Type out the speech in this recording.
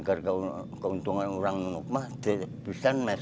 mereka mengambil keuntungan menutup wetna atau tidak mengelupakan umat